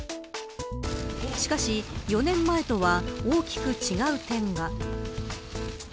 しかし、４年前とは大きく違う点が。